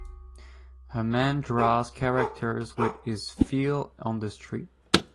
A man draws characters with his feel on the street.